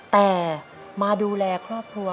แต่มาดูแลครอบครัว